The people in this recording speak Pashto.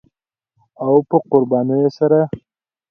او په قربانیو سره